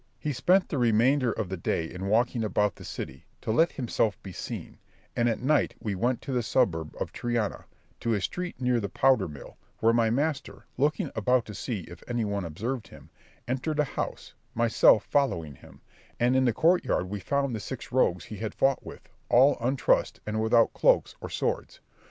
He spent the remainder of the day in walking about the city, to let himself be seen, and at night we went to the suburb of Triana, to a street near the powder mill, where my master, looking about to see if any one observed him, entered a house, myself following him, and in the court yard we found the six rogues he had fought with, all untrussed, and without cloaks or swords.